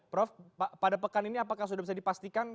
prof pada pekan ini apakah sudah bisa dipastikan